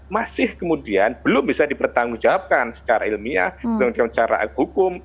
masih kemudian belum bisa dipertanggungjawabkan secara ilmiah secara hukum